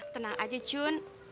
tenang aja cun